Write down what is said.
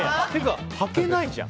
はけないじゃん。